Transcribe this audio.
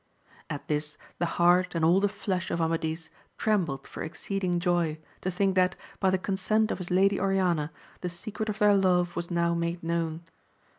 At this the heart and all the flesh of Amadis trem bled for exceeding joy, to think that, by the consent of his Lady Oriana, the secret of their love was now made known.